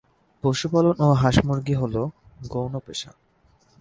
পশুপালন ও হাঁস-মুরগি হ'ল গৌণ পেশা।